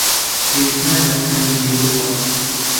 پێویست ناکات خەمی لێ بخوات.